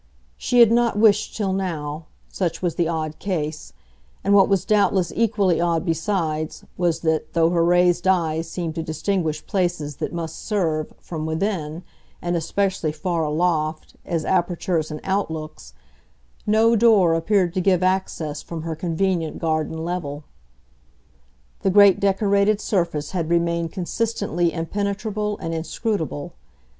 She had not wished till now such was the odd case; and what was doubtless equally odd, besides, was that, though her raised eyes seemed to distinguish places that must serve, from within, and especially far aloft, as apertures and outlooks, no door appeared to give access from her convenient garden level. The great decorated surface had remained consistently impenetrable and inscrutable.